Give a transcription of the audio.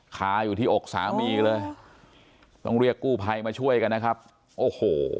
คาอยู่ที่อกสามีเลยต้องเรียกกู้ภัยมาช่วยกันนะครับโอ้โห